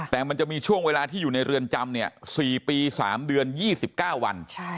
แต่มันจะมีช่วงเวลาที่อยู่ในเรือนจำ๔ปี๓เดือน๒๙วัน